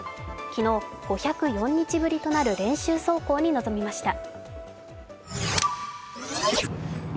昨日、５０４日ぶりとなる練習走行に臨みました。